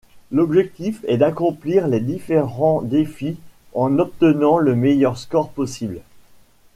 L'objectif est d'accomplir les différents défis en obtenant le meilleur score possible.